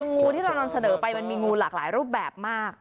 งูที่เรานำเสนอไปมันมีงูหลากหลายรูปแบบมาก